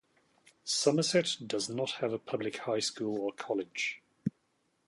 Somerset does not have a public high school or college.